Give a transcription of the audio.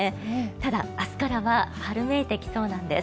ただ、明日からは春めいてきそうなんです。